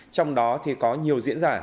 trong đó thì có nhiều diễn giả